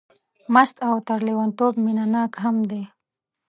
مست او تر لېونتوب مینه ناک هم دی.